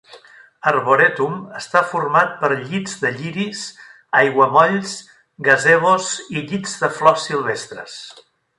Arboretum està format per llits de lliris, aiguamolls, gazebos i llits de flors silvestres.